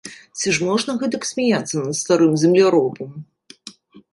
Ці ж можна гэтак смяяцца над старым земляробам?